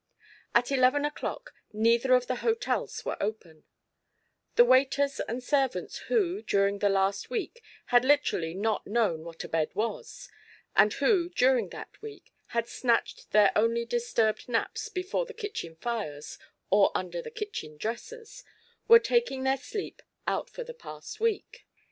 At eleven o'clock neither of the hotels were open; the waiters and servants who, during the last week had literally not known what a bed was, and who, during that week, had snatched their only disturbed naps before the kitchen fires, or under the kitchen dressers, were taking their sleep out for the past week.